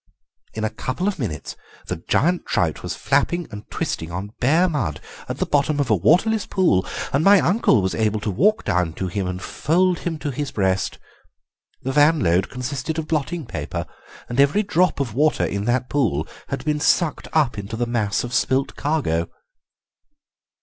In a couple of minutes the giant trout was flapping and twisting on bare mud at the bottom of a waterless pool, and my uncle was able to walk down to him and fold him to his breast. The van load consisted of blotting paper, and every drop of water in that pool had been sucked up into the mass of spilt cargo."